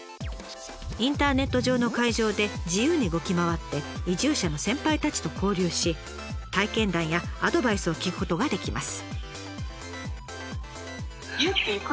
インターネット上の会場で自由に動き回って移住者の先輩たちと交流し体験談やアドバイスを聞くことができます。